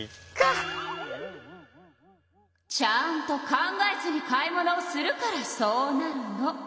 ちゃんと考えずに買い物をするからそうなるの！